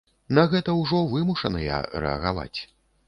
На гэта ўжо вымушаныя рэагаваць.